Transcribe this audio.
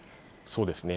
そうですね。